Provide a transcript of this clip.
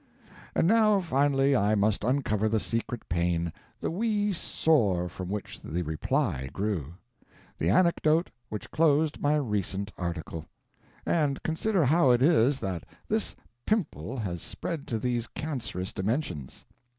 And now finally I must uncover the secret pain, the wee sore from which the Reply grew the anecdote which closed my recent article and consider how it is that this pimple has spread to these cancerous dimensions.